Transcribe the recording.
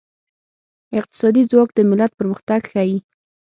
اقتصادي ځواک د ملت پرمختګ ښيي.